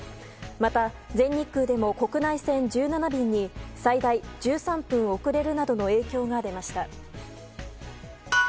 また、全日空でも国内線１７便に最大１３分遅れるなどの影響が出ました。